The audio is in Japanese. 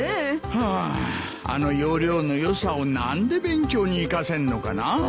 ハァあの要領の良さを何で勉強に生かせんのかなあ。